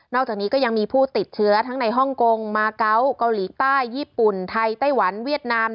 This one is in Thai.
นอกจากนี้ก็ยังมีผู้ติดเชื้อทั้งในฮ่องกงมาเกวโกริเต้ายี่ปุ่นไทยไต้หวันเวียดนามเมริกา